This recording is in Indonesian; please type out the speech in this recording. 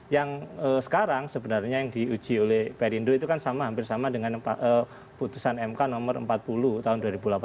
yang sekarang sebenarnya yang diuji oleh perindo itu kan sama hampir sama dengan putusan mk nomor empat puluh tahun dua ribu delapan belas